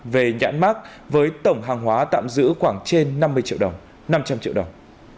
về nhãn mắc với tổng hàng hóa tạm giữ khoảng trên năm trăm linh triệu đồng